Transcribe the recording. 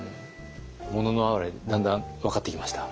「もののあはれ」だんだん分かってきました？